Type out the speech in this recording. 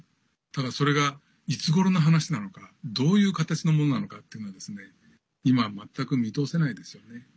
ただ、それがいつごろの話なのかどういう形のものなのかっていうのは今は全く見通せないですよね。